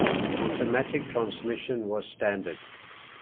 Automatic transmission was standard.